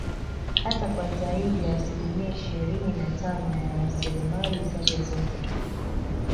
Hata kwa zaidi ya asilimia ishirini na Tano ya rasilimali zake zote